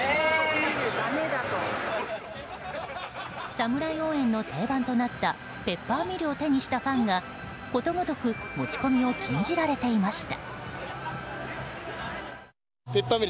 サムライ応援の定番となったペッパーミルを手にしたファンがことごとく持ち込みを禁じられていました。